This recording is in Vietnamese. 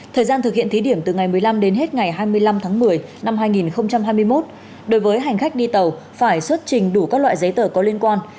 thời gian thực hiện thí điểm từ ngày một mươi năm đến hết ngày hai mươi năm tháng một mươi năm hai nghìn hai mươi một đối với hành khách đi tàu phải xuất trình đủ các loại giấy tờ có liên quan